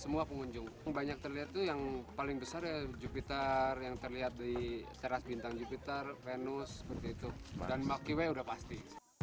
banyak yang terlihat yang paling besar adalah jupiter yang terlihat di teras bintang jupiter venus dan makiwe sudah pasti